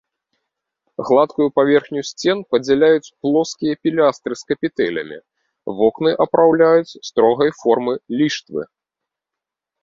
Гладкую паверхню сцен падзяляюць плоскія пілястры з капітэлямі, вокны апраўляюць строгай формы ліштвы.